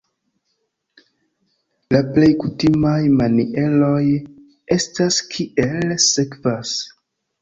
La plej kutimaj manieroj estas kiel sekvas.